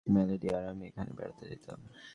Melinda আর আমি ওখানে বেড়াতে যেতাম।